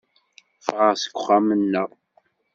Ffɣeɣ seg uxxam-nneɣ.